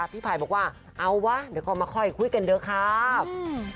พี่ภัยบอกว่าเอาวะเดี๋ยวก็ค่อยมาคุยกันเดี๋ยวครับ